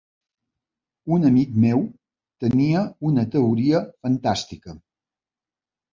Un amic meu tenia una teoria fantàstica.